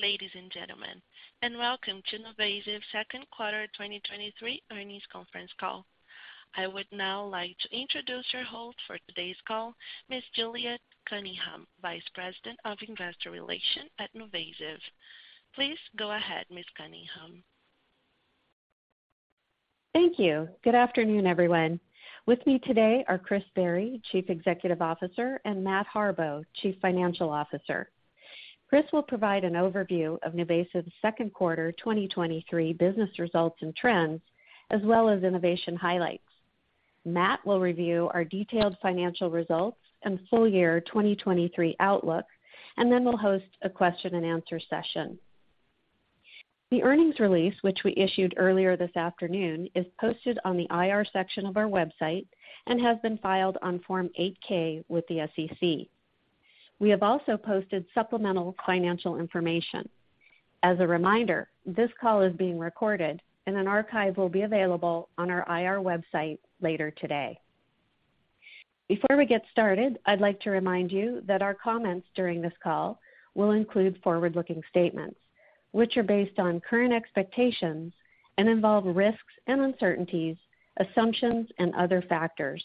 Ladies and gentlemen, welcome to NuVasive's second quarter 2023 earnings conference call. I would now like to introduce your host for today's call, Ms. Juliet Cunningham, Vice President of Investor Relations at NuVasive. Please go ahead, Ms. Cunningham. Thank you. Good afternoon, everyone. With me today are Chris Barry, Chief Executive Officer, and Matt Harbaugh, Chief Financial Officer. Chris will provide an overview of NuVasive's second quarter 2023 business results and trends, as well as innovation highlights. Matt will review our detailed financial results and full-year 2023 outlook, and then we'll host a question-and-answer session. The earnings release, which we issued earlier this afternoon, is posted on the IR section of our website and has been filed on Form 8-K with the SEC. We have also posted supplemental financial information. As a reminder, this call is being recorded and an archive will be available on our IR website later today. Before we get started, I'd like to remind you that our comments during this call will include forward-looking statements, which are based on current expectations and involve risks and uncertainties, assumptions, and other factors,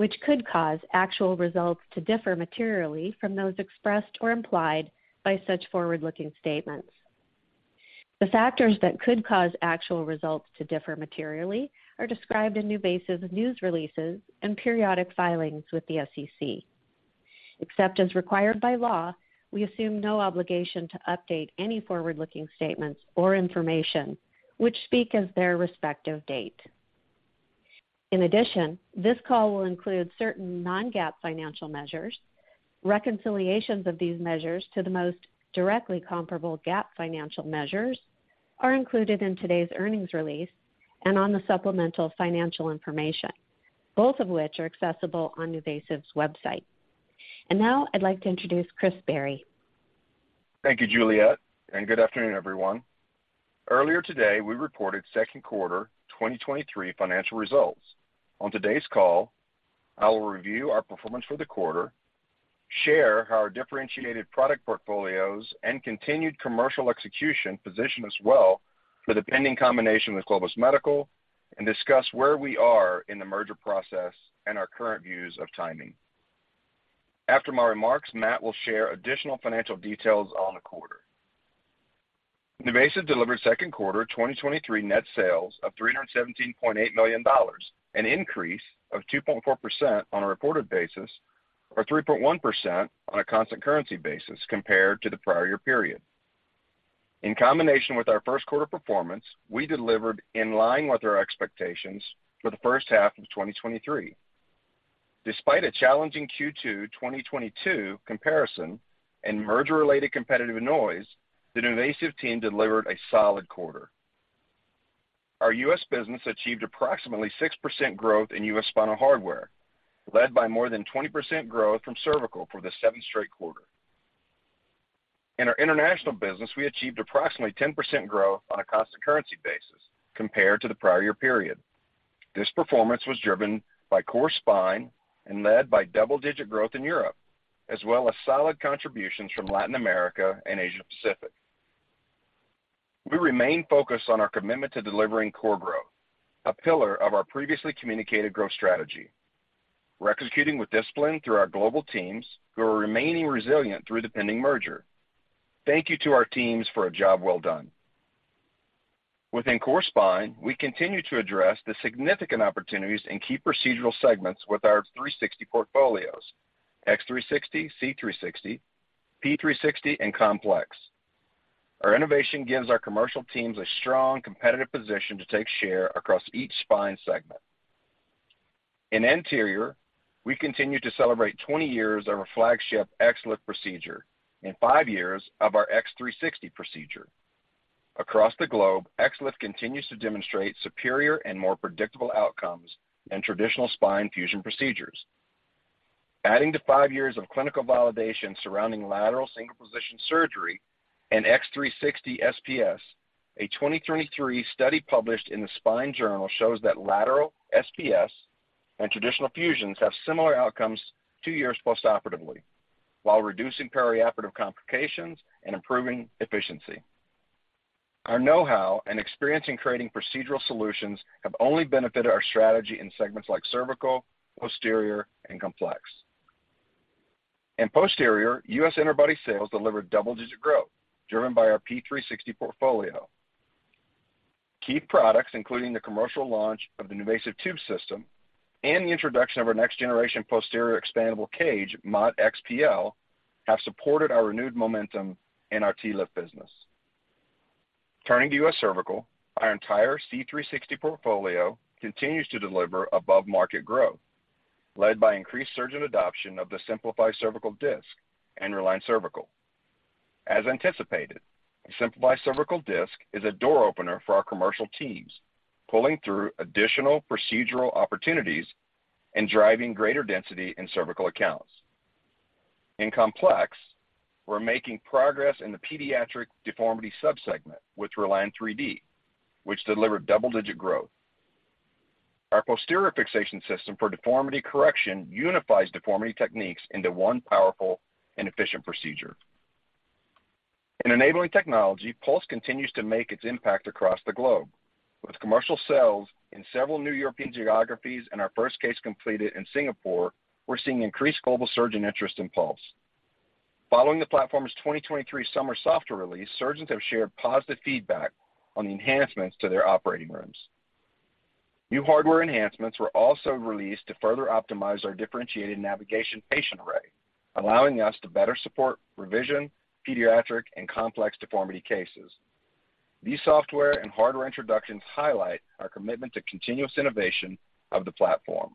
which could cause actual results to differ materially from those expressed or implied by such forward-looking statements. The factors that could cause actual results to differ materially are described in NuVasive's news releases and periodic filings with the SEC. Except as required by law, we assume no obligation to update any forward-looking statements or information, which speak as their respective date. In addition, this call will include certain non-GAAP financial measures. Reconciliations of these measures to the most directly comparable GAAP financial measures are included in today's earnings release and on the supplemental financial information, both of which are accessible on NuVasive's website. Now I'd like to introduce Chris Barry. Thank you, Juliet. Good afternoon, everyone. Earlier today, we reported second quarter 2023 financial results. On today's call, I will review our performance for the quarter, share how our differentiated product portfolios and continued commercial execution position us well for the pending combination with Globus Medical, and discuss where we are in the merger process and our current views of timing. After my remarks, Matt will share additional financial details on the quarter. NuVasive delivered second quarter 2023 net sales of $317.8 million, an increase of 2.4% on a reported basis, or 3.1% on a constant currency basis compared to the prior-year period. In combination with our first quarter performance, we delivered in line with our expectations for the first half of 2023. Despite a challenging Q2 2022 comparison and merger-related competitive noise, the NuVasive team delivered a solid quarter. Our U.S. business achieved approximately 6% growth in U.S. spinal hardware, led by more than 20% growth from cervical for the seventh straight quarter. In our international business, we achieved approximately 10% growth on a constant currency basis compared to the prior-year period. This performance was driven by core spine and led by double-digit growth in Europe, as well as solid contributions from Latin America and Asia Pacific. We remain focused on our commitment to delivering core growth, a pillar of our previously communicated growth strategy. We're executing with discipline through our global teams, who are remaining resilient through the pending merger. Thank you to our teams for a job well done. Within core spine, we continue to address the significant opportunities in key procedural segments with our 360 portfolios, X360, C360, P360, and complex. Our innovation gives our commercial teams a strong competitive position to take share across each spine segment. In anterior, we continue to celebrate 20 years of our flagship XLIF procedure and 5 years of our X360 procedure. Across the globe, XLIF continues to demonstrate superior and more predictable outcomes than traditional spine fusion procedures. Adding to 5 years of clinical validation surrounding lateral single-position surgery and X360 SPS, a 2023 study published in The Spine Journal shows that lateral SPS and traditional fusions have similar outcomes two years postoperatively, while reducing perioperative complications and improving efficiency. Our know-how and experience in creating procedural solutions have only benefited our strategy in segments like cervical, posterior, and complex. In posterior, US interbody sales delivered double-digit growth, driven by our P360 portfolio. Key products, including the commercial launch of the NuVasive Tube System and the introduction of our next generation posterior expandable cage, ModXPL, have supported our renewed momentum in our TLIF business. Turning to US cervical, our entire C360 portfolio continues to deliver above-market growth, led by increased surgeon adoption of the Simplify Cervical Disc and RELIANT Cervical. As anticipated, the Simplify Cervical Disc is a door opener for our commercial teams, pulling through additional procedural opportunities and driving greater density in cervical accounts. In complex, we're making progress in the pediatric deformity sub-segment with Reline 3D, which delivered double-digit growth. Our posterior fixation system for deformity correction unifies deformity techniques into one powerful and efficient procedure. In enabling technology, Pulse continues to make its impact across the globe. With commercial sales in several new European geographies and our first case completed in Singapore, we're seeing increased global surgeon interest in Pulse. Following the platform's 2023 summer software release, surgeons have shared positive feedback on the enhancements to their operating rooms. New hardware enhancements were also released to further optimize our differentiated navigation patient array, allowing us to better support revision, pediatric, and complex deformity cases. These software and hardware introductions highlight our commitment to continuous innovation of the platform.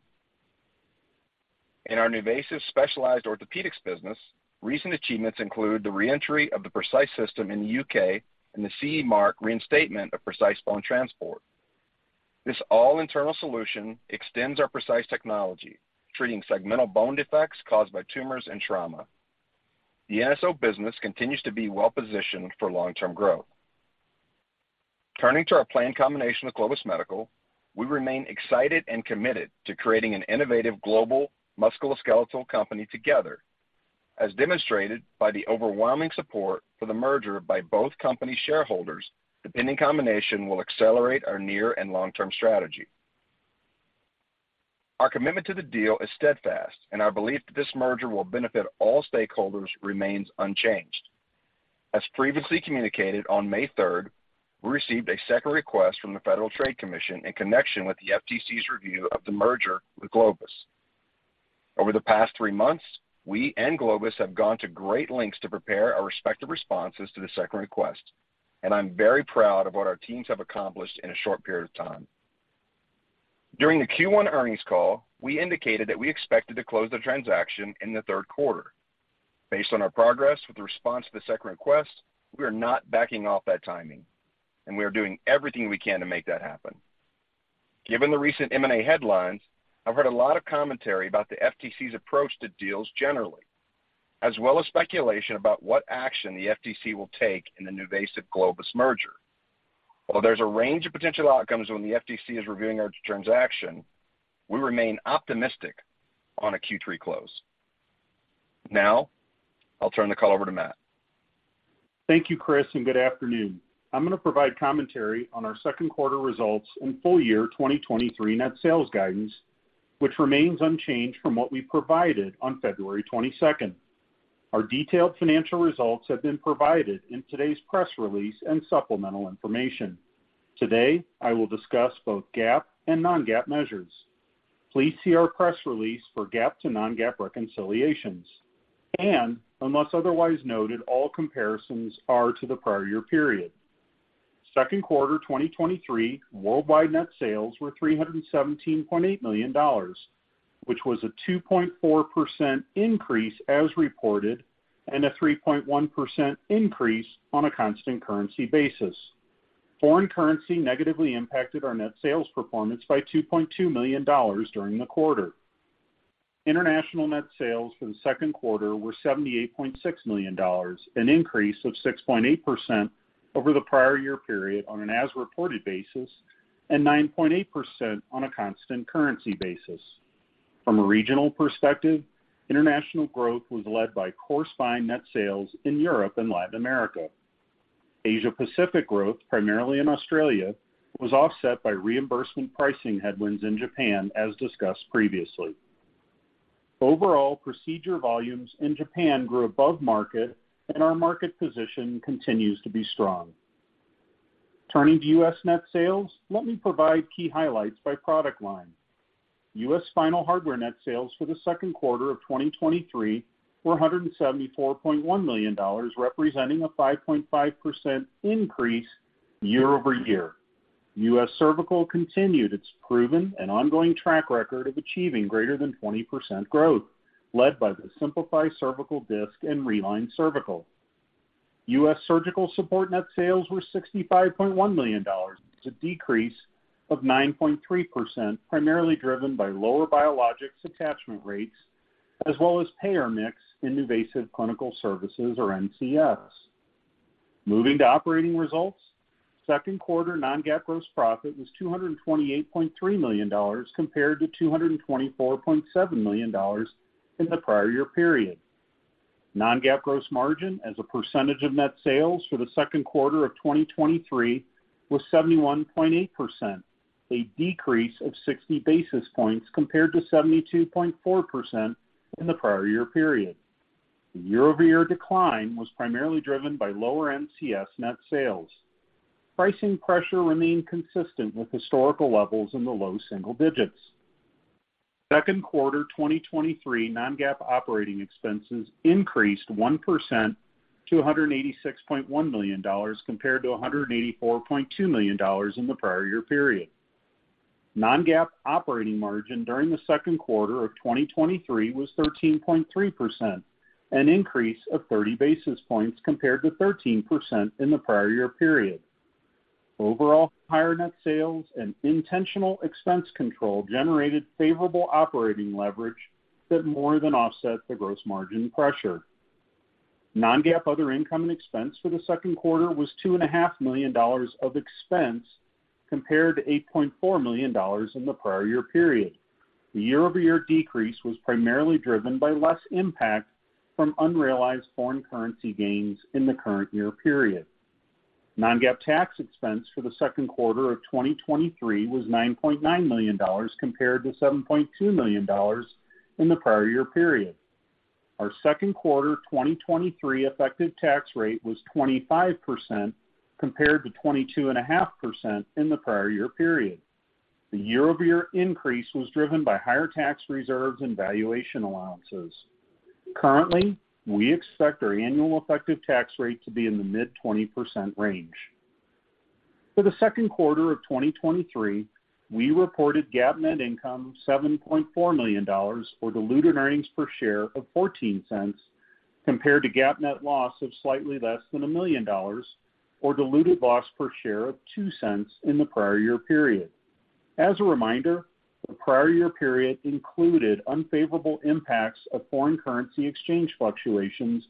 In our NuVasive Specialized Orthopedics business, recent achievements include the re-entry of the PRECICE system in the UK and the CE mark reinstatement of PRECICE Bone Transport. This all internal solution extends our PRECICE technology, treating segmental bone defects caused by tumors and trauma. The NSO business continues to be well-positioned for long-term growth. Turning to our planned combination with Globus Medical, we remain excited and committed to creating an innovative global musculoskeletal company together, as demonstrated by the overwhelming support for the merger by both company shareholders, the pending combination will accelerate our near and long-term strategy. Our commitment to the deal is steadfast, and our belief that this merger will benefit all stakeholders remains unchanged. As previously communicated, on May third, we received a Second Request from the Federal Trade Commission in connection with the FTC's review of the merger with Globus. Over the past three months, we and Globus have gone to great lengths to prepare our respective responses to the Second Request. I'm very proud of what our teams have accomplished in a short period of time. During the Q1 earnings call, we indicated that we expected to close the transaction in the third quarter. Based on our progress with the response to the Second Request, we are not backing off that timing. We are doing everything we can to make that happen. Given the recent M&A headlines, I've heard a lot of commentary about the FTC's approach to deals generally, as well as speculation about what action the FTC will take in the NuVasive Globus merger. While there's a range of potential outcomes when the FTC is reviewing our transaction, we remain optimistic on a Q3 close. Now, I'll turn the call over to Matt. Thank you, Chris, and good afternoon. I'm going to provide commentary on our second quarter results and full-year 2023 net sales guidance, which remains unchanged from what we provided on February 22nd. Our detailed financial results have been provided in today's press release and supplemental information. Today, I will discuss both GAAP and non-GAAP measures. Please see our press release for GAAP to non-GAAP reconciliations, and unless otherwise noted, all comparisons are to the prior-year period. Second quarter 2023 worldwide net sales were $317.8 million, which was a 2.4% increase as reported and a 3.1% increase on a constant currency basis. Foreign currency negatively impacted our net sales performance by $2.2 million during the quarter. International net sales for the second quarter were $78.6 million, an increase of 6.8% over the prior-year period on an as-reported basis and 9.8% on a constant currency basis. From a regional perspective, international growth was led by core spine net sales in Europe and Latin America. Asia Pacific growth, primarily in Australia, was offset by reimbursement pricing headwinds in Japan, as discussed previously. Overall, procedure volumes in Japan grew above market, and our market position continues to be strong. Turning to U.S. net sales, let me provide key highlights by product line. U.S. spinal hardware net sales for the second quarter of 2023 were $174.1 million, representing a 5.5% increase year-over-year. U.S. cervical continued its proven and ongoing track record of achieving greater than 20% growth, led by the Simplify Cervical Disc and Reline Cervical. U.S. surgical support net sales were $65.1 million, a decrease of 9.3%, primarily driven by lower biologics attachment rates, as well as payer mix in NuVasive Clinical Services or NCS. Moving to operating results, second quarter non-GAAP gross profit was $228.3 million, compared to $224.7 million in the prior-year period. Non-GAAP gross margin as a percentage of net sales for the second quarter of 2023 was 71.8%, a decrease of 60 basis points compared to 72.4% in the prior-year period. The year-over-year decline was primarily driven by lower NCS net sales. Pricing pressure remained consistent with historical levels in the low single digits. second quarter 2023 non-GAAP operating expenses increased 1% to $186.1 million, compared to $184.2 million in the prior-year period. Non-GAAP operating margin during the second quarter of 2023 was 13.3%, an increase of 30 basis points compared to 13% in the prior year period. Overall, higher net sales and intentional expense control generated favorable operating leverage that more than offset the gross margin pressure. Non-GAAP other income and expense for the second quarter was $2.5 million of expense, compared to $8.4 million in the prior-year period. The year-over-year decrease was primarily driven by less impact from unrealized foreign currency gains in the current year period. Non-GAAP tax expense for the second quarter of 2023 was $9.9 million, compared to $7.2 million in the prior year period. Our second quarter 2023 effective tax rate was 25%, compared to 22.5% in the prior year period. The year-over-year increase was driven by higher tax reserves and valuation allowances. Currently, we expect our annual effective tax rate to be in the mid-20% range. For the second quarter of 2023, we reported GAAP net income of $7.4 million, or diluted earnings per share of $0.14, compared to GAAP net loss of slightly less than $1 million or diluted loss per share of $0.02 in the prior year period. As a reminder, the prior year period included unfavorable impacts of foreign currency exchange fluctuations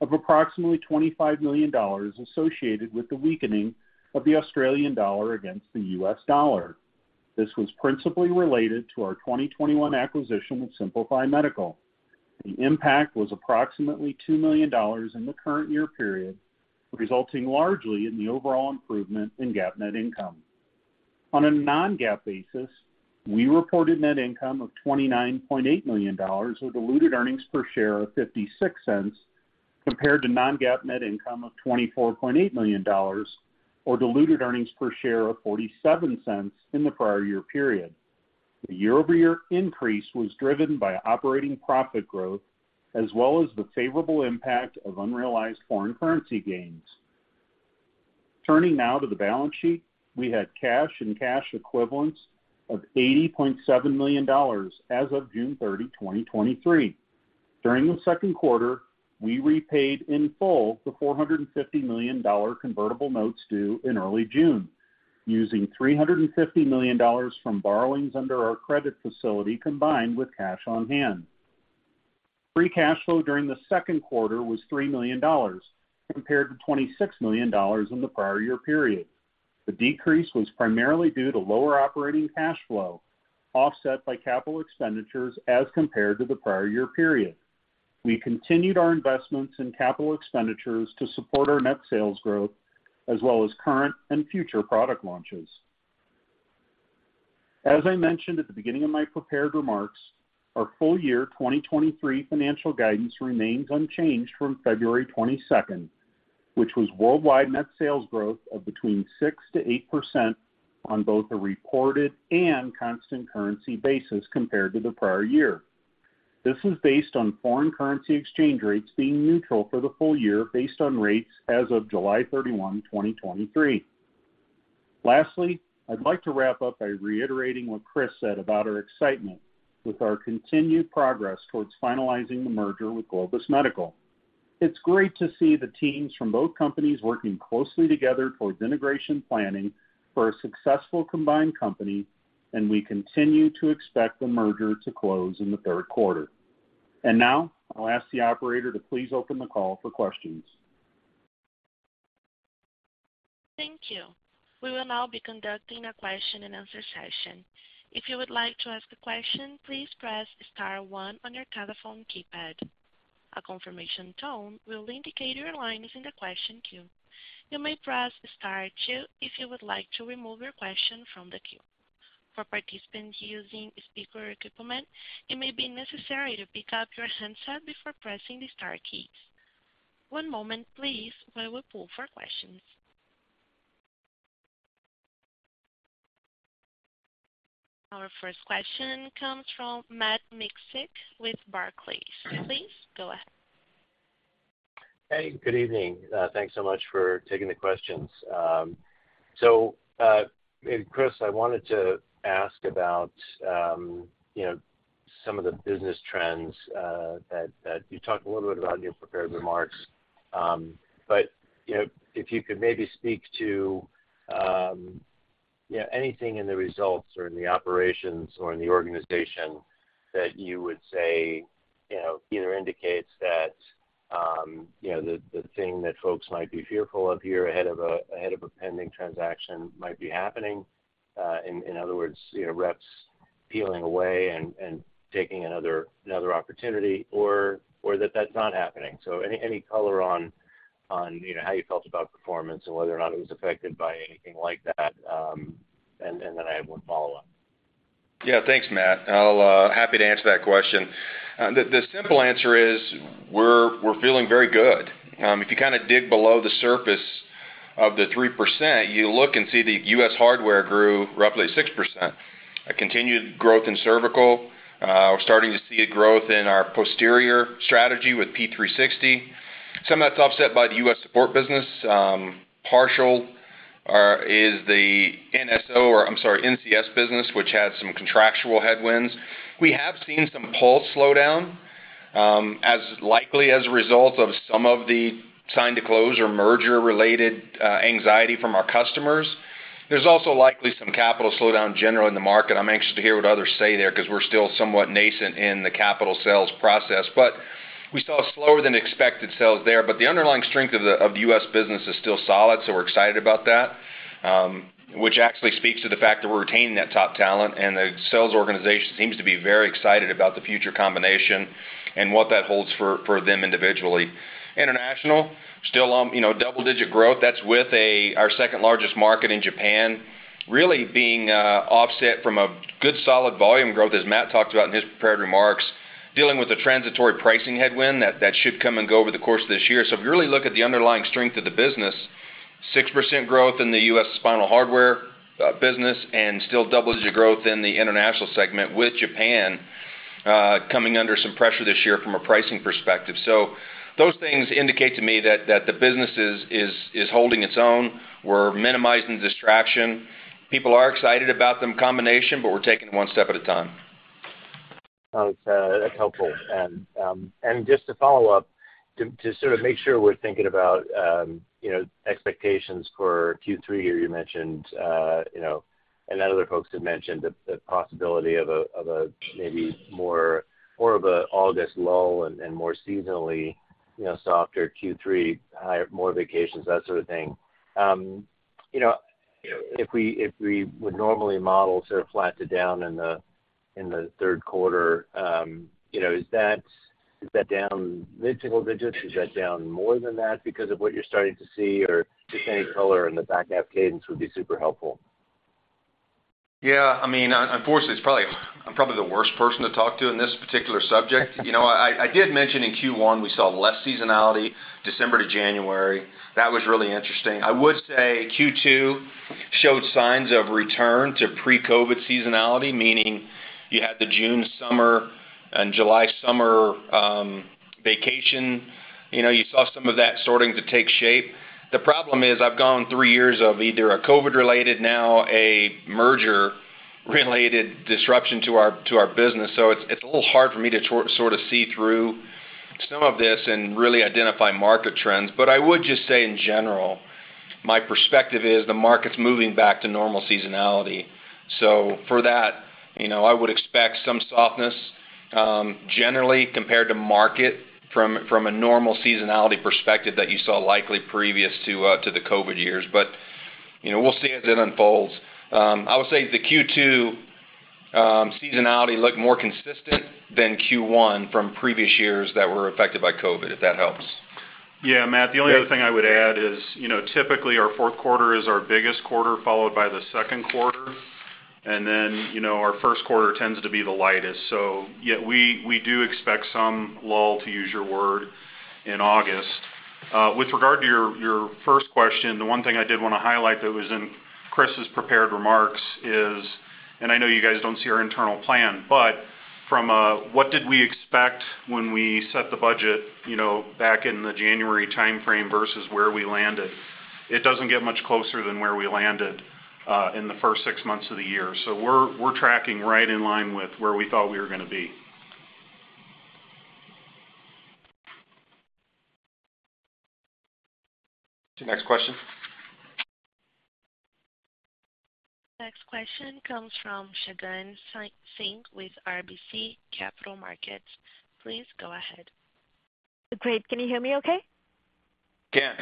of approximately $25 million associated with the weakening of the Australian dollar against the US dollar. This was principally related to our 2021 acquisition of Simplify Medical. The impact was approximately $2 million in the current year period, resulting largely in the overall improvement in GAAP net income. On a non-GAAP basis, we reported net income of $29.8 million, or diluted earnings per share of $0.56, compared to non-GAAP net income of $24.8 million or diluted earnings per share of $0.47 in the prior year period. The year-over-year increase was driven by operating profit growth, as well as the favorable impact of unrealized foreign currency gains. Turning now to the balance sheet. We had cash and cash equivalents of $80.7 million as of June 30, 2023. During the second quarter, we repaid in full the $450 million convertible notes due in early June, using $350 million from borrowings under our credit facility, combined with cash on hand. Free cash flow during the second quarter was $3 million, compared to $26 million in the prior year period. The decrease was primarily due to lower operating cash flow, offset by capital expenditures as compared to the prior year period. We continued our investments in capital expenditures to support our net sales growth, as well as current and future product launches. As I mentioned at the beginning of my prepared remarks, our full year 2023 financial guidance remains unchanged from February 22, which was worldwide net sales growth of between 6%-8% on both a reported and constant currency basis compared to the prior year. This is based on foreign currency exchange rates being neutral for the full year, based on rates as of July 31, 2023. Lastly, I'd like to wrap up by reiterating what Chris said about our excitement with our continued progress towards finalizing the merger with Globus Medical. It's great to see the teams from both companies working closely together towards integration planning for a successful combined company, we continue to expect the merger to close in the third quarter. Now I'll ask the operator to please open the call for questions. Thank you. We will now be conducting a question-and-answer session. If you would like to ask a question, please press star one on your telephone keypad. A confirmation tone will indicate your line is in the question queue. You may press star two if you would like to remove your question from the queue. For participants using speaker equipment, it may be necessary to pick up your handset before pressing the star keys. One moment please, while we pull for questions. Our first question comes from Matt Miksic with Barclays. Please go ahead. Hey, good evening. Thanks so much for taking the questions. Chris, I wanted to ask about, you know, some of the business trends that, that you talked a little bit about in your prepared remarks. You know, if you could maybe speak to, you know, anything in the results or in the operations or in the organization that you would say, you know, either indicates that, you know, the, the thing that folks might be fearful of here ahead of a, ahead of a pending transaction might be happening. In, in other words, you know, reps peeling away and, and taking another, another opportunity, or, or that that's not happening. Any, any color on, on, you know, how you felt about performance and whether or not it was affected by anything like that? And then I have one follow-up. Yeah, thanks, Matt. I'll happy to answer that question. The, the simple answer is, we're, we're feeling very good. If you kind of dig below the surface of the 3%, you look and see the U.S. hardware grew roughly 6%. A continued growth in cervical. We're starting to see a growth in our posterior strategy with P360. Some of that's offset by the U.S. support business. Partial is the NSO or I'm sorry, NCS business, which had some contractual headwinds. We have seen some Pulse slowdown, as likely as a result of some of the sign-to-close or merger-related anxiety from our customers. There's also likely some capital slowdown general in the market. I'm anxious to hear what others say there, because we're still somewhat nascent in the capital sales process. We saw slower than expected sales there. The underlying strength of the U.S. business is still solid, so we're excited about that, which actually speaks to the fact that we're retaining that top talent, and the sales organization seems to be very excited about the future combination and what that holds for them individually. International, still, you know, double-digit growth. That's with our second largest market in Japan, really being offset from a good solid volume growth, as Matt Harbaugh talked about in his prepared remarks, dealing with the transitory pricing headwind, that should come and go over the course of this year. If you really look at the underlying strength of the business, 6% growth in the U.S. spinal hardware business, and still double-digit growth in the international segment, with Japan coming under some pressure this year from a pricing perspective. those things indicate to me that the business is holding its own. We're minimizing distraction. People are excited about the combination, but we're taking it one step at a time. Okay, that's helpful. Just to follow up, to sort of make sure we're thinking about, you know, expectations for Q3, you mentioned, you know, and then other folks have mentioned the, the possibility of a, of a maybe more, more of a August lull and, and more seasonally, you know, softer Q3, higher more vacations, that sort of thing. You know, if we would normally model sort of flat to down in the third quarter, you know, is that, is that down mid-single digits? Is that down more than that because of what you're starting to see? Or just any color in the back-half cadence would be super helpful. Yeah, I mean, unfortunately, it's probably I'm probably the worst person to talk to in this particular subject. You know, I, I did mention in Q1, we saw less seasonality, December to January. That was really interesting. I would say Q2 showed signs of return to pre-COVID seasonality, meaning you had the June summer and July summer vacation. You know, you saw some of that starting to take shape. The problem is, I've gone three years of either a COVID-related, now a merger-related disruption to our, to our business. It's a little hard for me to sort of see through some of this and really identify market trends. I would just say, in general, my perspective is the market's moving back to normal seasonality. For that, you know, I would expect some softness, generally compared to market from a normal seasonality perspective that you saw likely previous to the COVID years. You know, we'll see as it unfolds. I would say the Q2 seasonality looked more consistent than Q1 from previous years that were affected by COVID, if that helps. Yeah, Matt, the only other thing I would add is, you know, typically, our fourth quarter is our biggest quarter, followed by the second quarter, and then, you know, our first quarter tends to be the lightest. Yeah, we do expect some lull, to use your word, in August. With regard to your, your first question, the one thing I did want to highlight that was in Chris's prepared remarks is, and I know you guys don't see our internal plan, but from a, "What did we expect when we set the budget," you know, back in the January timeframe versus where we landed, it doesn't get much closer than where we landed, in the first six months of the year. We're, we're tracking right in line with where we thought we were gonna be. Next question. Next question comes from Shagun Singh with RBC Capital Markets. Please go ahead. Great. Can you hear me okay? Can.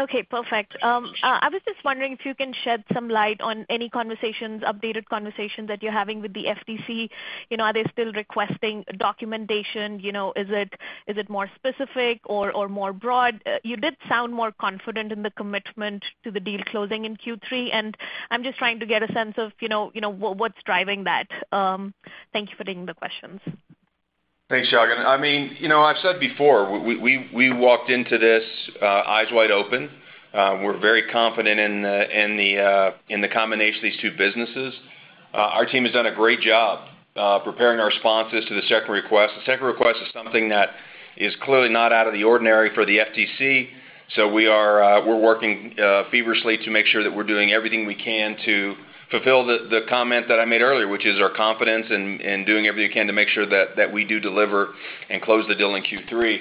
Okay, perfect. I was just wondering if you can shed some light on any conversations, updated conversations that you're having with the FTC. You know, are they still requesting documentation? You know, is it, is it more specific or, or more broad? You did sound more confident in the commitment to the deal closing in Q3, and I'm just trying to get a sense of, you know, you know, what, what's driving that. Thank you for taking the questions. Thanks, Shagun. I mean, you know, I've said before, we, we, we walked into this, eyes wide open. We're very confident in the, in the, in the combination of these two businesses. Our team has done a great job, preparing our responses to the Second Request. The Second Request is something that is clearly not out of the ordinary for the FTC. We are working feverishly to make sure that we're doing everything we can to fulfill the, the comment that I made earlier, which is our confidence and, and doing everything we can to make sure that, that we do deliver and close the deal in Q3.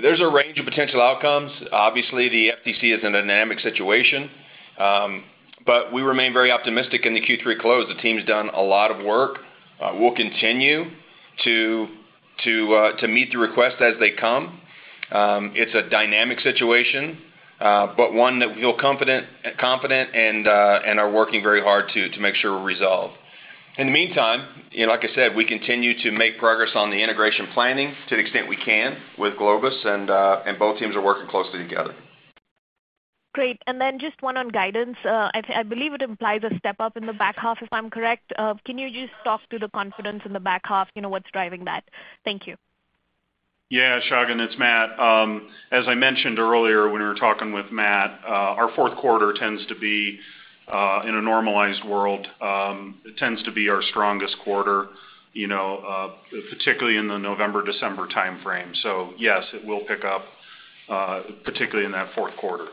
There's a range of potential outcomes. Obviously, the FTC is in a dynamic situation, but we remain very optimistic in the Q3 close. The team's done a lot of work. We'll continue to, to, to meet the requests as they come. It's a dynamic situation, but one that we feel confident, confident and are working very hard to, to make sure we're resolved. In the meantime, you know, like I said, we continue to make progress on the integration planning to the extent we can with Globus and both teams are working closely together. Great. Then just one on guidance. I, I believe it implies a step up in the back half, if I'm correct. Can you just talk to the confidence in the back half? You know, what's driving that? Thank you. Yeah, Shagun, it's Matt. As I mentioned earlier, when we were talking with Matt, our fourth quarter tends to be, in a normalized world, it tends to be our strongest quarter, you know, particularly in the November-December timeframe. Yes, it will pick up, particularly in that fourth quarter.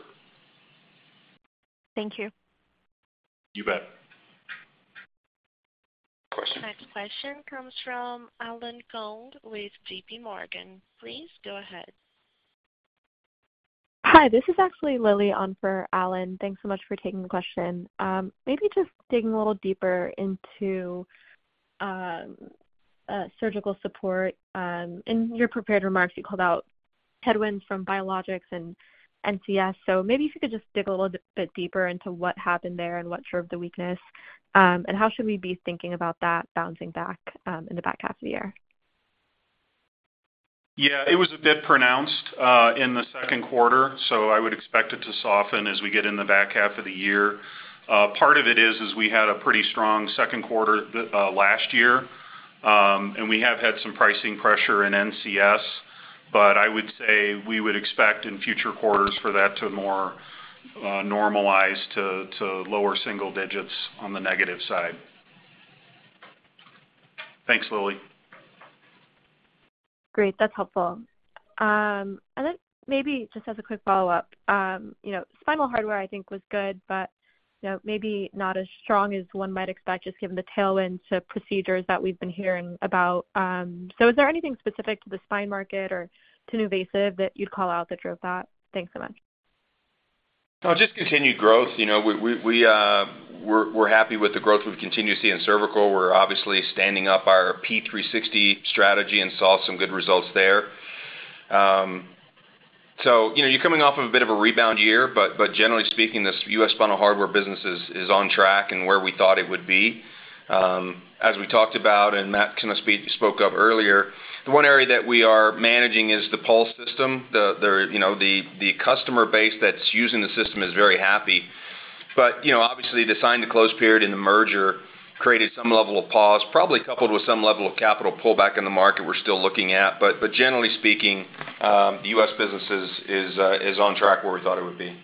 Thank you. You bet. Our next question comes from Allen Gong with JP Morgan. Please go ahead. Hi, this is actually Lily on for Allen. Thanks so much for taking the question. Maybe just digging a little deeper into surgical support. In your prepared remarks, you called out headwinds from biologics and NCS. Maybe if you could just dig a little bit deeper into what happened there and what drove the weakness, and how should we be thinking about that bouncing back in the back half of the year? Yeah, it was a bit pronounced, in the second quarter. I would expect it to soften as we get in the back half of the year. Part of it is, is we had a pretty strong second quarter, last year. We have had some pricing pressure in NCS, but I would say we would expect in future quarters for that to more normalize to, to lower single digits on the negative side. Thanks, Lily. Great. That's helpful. Then maybe just as a quick follow-up, you know, spinal hardware I think was good, but, you know, maybe not as strong as one might expect, just given the tailwind to procedures that we've been hearing about. Is there anything specific to the spine market or to NuVasive that you'd call out that drove that? Thanks so much. Just continued growth. You know, we, we, we, we're, we're happy with the growth we've continued to see in cervical. We're obviously standing up our P360 strategy and saw some good results there. You know, you're coming off of a bit of a rebound year, but, but generally speaking, this U.S. spinal hardware business is, is on track and where we thought it would be. As we talked about, and Matt kind of spoke of earlier, the one area that we are managing is the Pulse system. You know, the customer base that's using the system is very happy. You know, obviously, the sign-to-close period in the merger created some level of pause, probably coupled with some level of capital pullback in the market we're still looking at. Generally speaking, the U.S. business is, is, is on track where we thought it would be.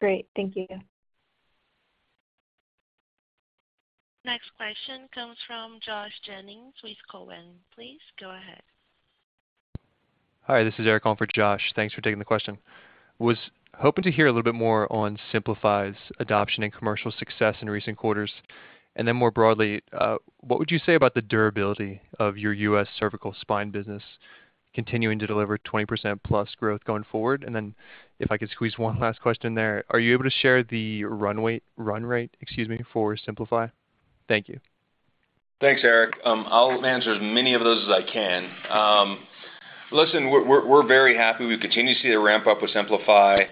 Great. Thank you. Next question comes from Josh Jennings with Cowen. Please go ahead. Hi, this is Eric on for Josh. Thanks for taking the question. Was hoping to hear a little bit more on Simplify's adoption and commercial success in recent quarters. Then more broadly, what would you say about the durability of your U.S. cervical spine business continuing to deliver 20%+ growth going forward? Then if I could squeeze one last question there, are you able to share the run rate, excuse me, for Simplify? Thank you. Thanks, Eric. I'll answer as many of those as I can. Listen, we're, we're, we're very happy. We continue to see the ramp up with Simplify.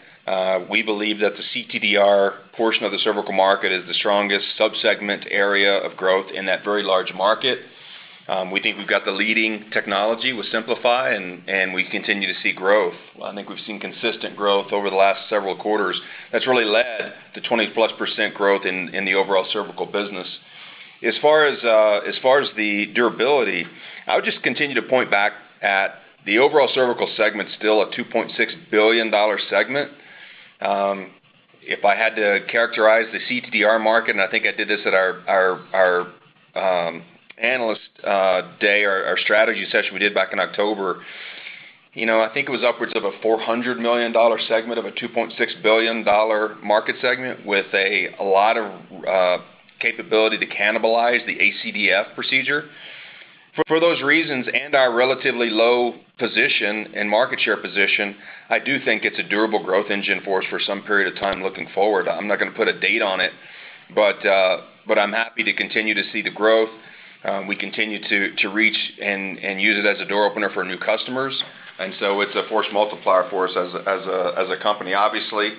We believe that the CTDR portion of the cervical market is the strongest subsegment area of growth in that very large market. We think we've got the leading technology with Simplify, and, and we continue to see growth. I think we've seen consistent growth over the last several quarters. That's really led to 20%+ growth in, in the overall cervical business. As far as, as far as the durability, I would just continue to point back at the overall cervical segment, still a $2.6 billion segment. If I had to characterize the CTDR market, and I think I did this at our, our, our analyst day, our, our strategy session we did back in October. You know, I think it was upwards of a $400 million segment of a $2.6 billion market segment with a lot of capability to cannibalize the ACDF procedure. For those reasons and our relatively low position and market share position, I do think it's a durable growth engine for us for some period of time looking forward. I'm not gonna put a date on it, but I'm happy to continue to see the growth. We continue to, to reach and, and use it as a door opener for new customers, and so it's a force multiplier for us as a, as a, as a company. Obviously,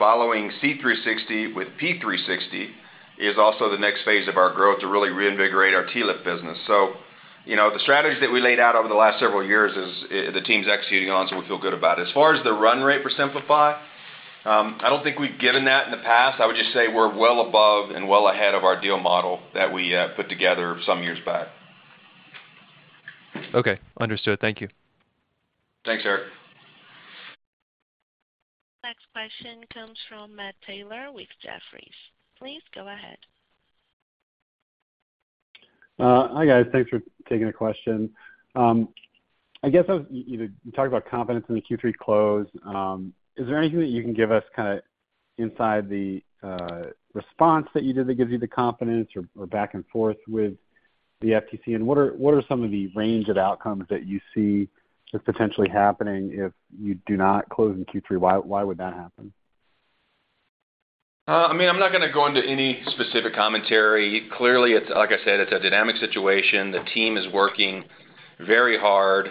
following C360 with P360 is also the next phase of our growth to really reinvigorate our TLIF business. You know, the strategy that we laid out over the last several years is, the team's executing on, so we feel good about it. As far as the run rate for Simplify, I don't think we've given that in the past. I would just say we're well above and well ahead of our deal model that we put together some years back. Okay, understood. Thank you. Thanks, Eric. Next question comes from Matt Taylor with Jefferies. Please go ahead. Hi, guys. Thanks for taking the question. I guess I was, you talked about confidence in the Q3 close. Is there anything that you can give us kind of inside the response that you did that gives you the confidence or, or back and forth with the FTC? What are, what are some of the range of outcomes that you see just potentially happening if you do not close in Q3? Why, why would that happen? I mean, I'm not gonna go into any specific commentary. Clearly, it's, like I said, a dynamic situation. The team is working very hard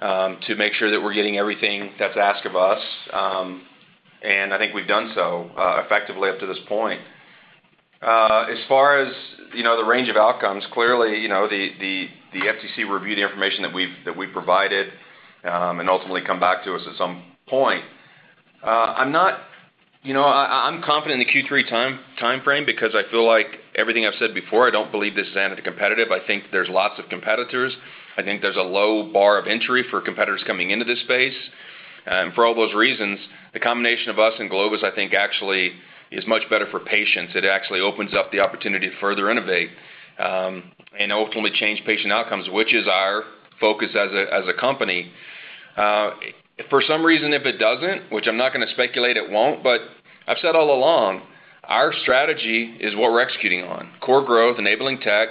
to make sure that we're getting everything that's asked of us, and I think we've done so effectively up to this point. As far as, you know, the range of outcomes, clearly, you know, the, the, the FTC review the information that we've, that we've provided, and ultimately come back to us at some point. I'm not. You know, I'm confident in the Q3 timeframe because I feel like everything I've said before, I don't believe this is anti-competitive. I think there's lots of competitors. I think there's a low bar of entry for competitors coming into this space. For all those reasons, the combination of us and Globus, I think, actually is much better for patients. It actually opens up the opportunity to further innovate, and ultimately change patient outcomes, which is our focus as a company. For some reason, if it doesn't, which I'm not gonna speculate, it won't, but I've said all along, our strategy is what we're executing on, core growth, enabling tech,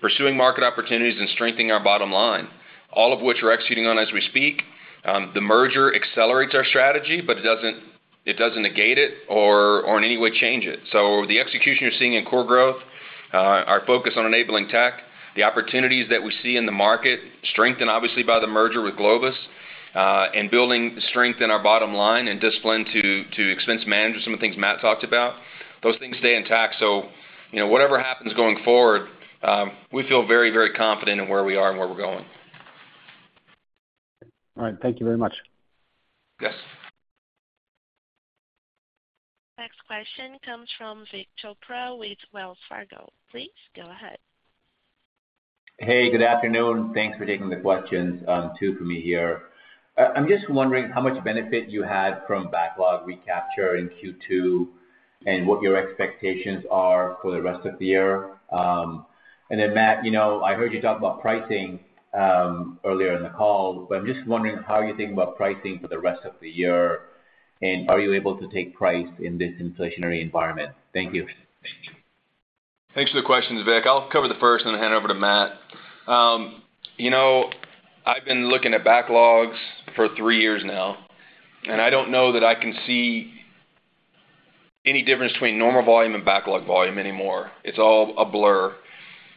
pursuing market opportunities, and strengthening our bottom line, all of which we're executing on as we speak. The merger accelerates our strategy, but it doesn't, it doesn't negate it or, or in any way change it. The execution you're seeing in core growth, our focus on enabling tech, the opportunities that we see in the market, strengthened obviously by the merger with Globus, and building strength in our bottom line and discipline to, to expense manage some of the things Matt talked about, those things stay intact. You know, whatever happens going forward, we feel very, very confident in where we are and where we're going. All right. Thank you very much. Yes. Next question comes from Vik Chopra with Wells Fargo. Please go ahead. Hey, good afternoon. Thanks for taking the questions, too, from me here. I'm just wondering how much benefit you had from backlog recapture in Q2, and what your expectations are for the rest of the year. Then, Matt, you know, I heard you talk about pricing earlier in the call, but I'm just wondering how you think about pricing for the rest of the year, and are you able to take price in this inflationary environment? Thank you. Thanks for the questions, Vik. I'll cover the first and then hand over to Matt. You know, I've been looking at backlogs for three years now, and I don't know that I can see any difference between normal volume and backlog volume anymore. It's all a blur.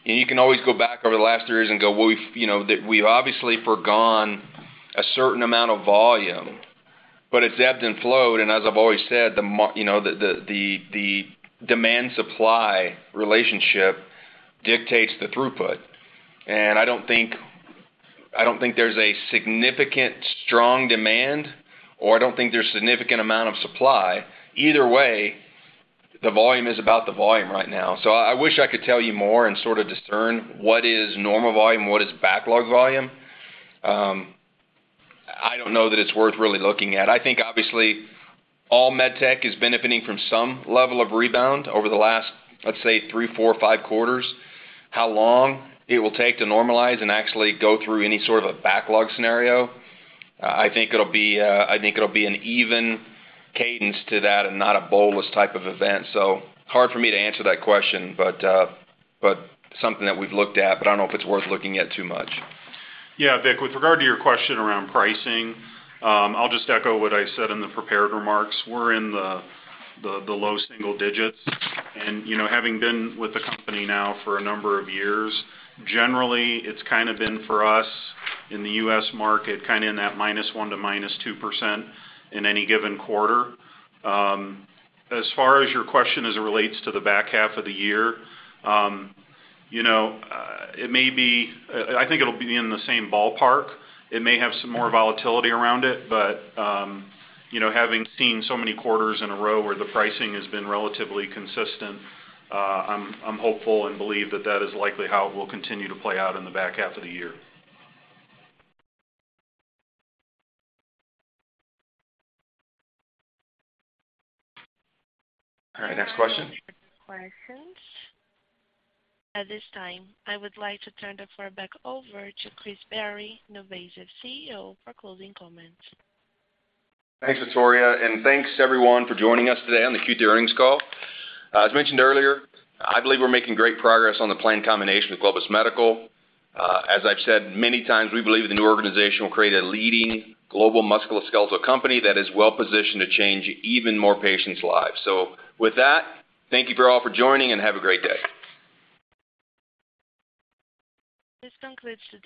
You can always go back over the last three years and go, well, you know, that we've obviously forgone a certain amount of volume, but it's ebbed and flowed, and as I've always said, you know, the, the, the demand-supply relationship dictates the throughput. I don't think, I don't think there's a significant strong demand, or I don't think there's significant amount of supply. Either way, the volume is about the volume right now. I wish I could tell you more and sort of discern what is normal volume, what is backlog volume. I don't know that it's worth really looking at. I think obviously, all med tech is benefiting from some level of rebound over the last, let's say, three, four, five quarters. How long it will take to normalize and actually go through any sort of a backlog scenario? I think it'll be, I think it'll be an even cadence to that and not a bolus type of event, hard for me to answer that question, but, but something that we've looked at, but I don't know if it's worth looking at too much. Yeah, Vik, with regard to your question around pricing, I'll just echo what I said in the prepared remarks. We're in the low single digits. And, you know, having been with the company now for a number of years, generally, it's kind of been for us in the U.S. market, kind of in that -1% to -2% in any given quarter. As far as your question as it relates to the back half of the year, you know, it may be... I think it'll be in the same ballpark. It may have some more volatility around it, but, you know, having seen so many quarters in a row where the pricing has been relatively consistent, I'm hopeful and believe that that is likely how it will continue to play out in the back half of the year. All right, next question. Questions. At this time, I would like to turn the floor back over to Chris Barry, NuVasive CEO, for closing comments. Thanks, Victoria. Thanks everyone for joining us today on the Q2 earnings call. As mentioned earlier, I believe we're making great progress on the planned combination with Globus Medical. As I've said many times, we believe the new organization will create a leading global musculoskeletal company that is well-positioned to change even more patients' lives. With that, thank you for all for joining, and have a great day. This concludes today's-